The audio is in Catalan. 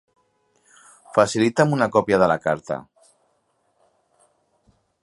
Facilita'm una còpia de la carta.